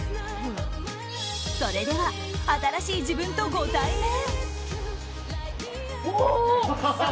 それでは新しい自分とご対面。